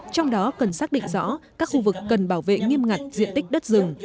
trong đó cần xác định rõ các khu vực cần bảo vệ nghiêm ngặt diện tích đất rừng